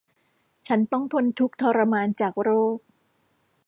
ฉันต้องทนทุกข์ทรมานจากโรค